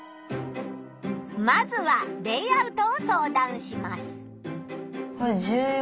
まずはレイアウトを相談します。